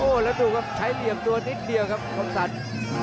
แล้วดูครับใช้เหลี่ยมตัวนิดเดียวครับคมสรร